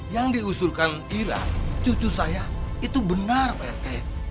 yang diusulkan irak cucu saya itu benar pak r t